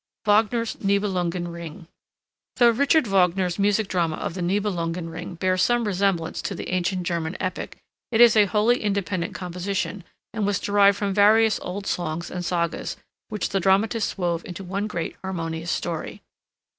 WAGNER'S NIBELUNGEN RING Though Richard Wagner's music drama of the Nibelungen Ring bears some resemblance to the ancient German epic, it is a wholly independent composition and was derived from various old songs and sagas, which the dramatist wove into one great harmonious story.